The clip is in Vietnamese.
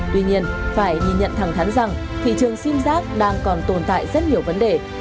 tuy nhiên phải nhìn nhận thẳng thắn rằng thị trường sim giác đang còn tồn tại rất nhiều vấn đề